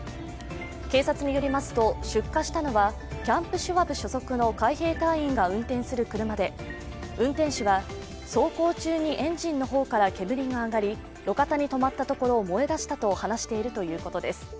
警察によりますと出火したのはキャンプ・シュワブ所属の海兵隊員が運転する車で運転手は、走行中にエンジンの方から煙が上がり路肩に止まったところ燃えだしたと話しているということです。